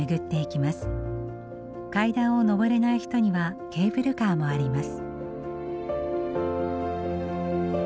階段を上れない人にはケーブルカーもあります。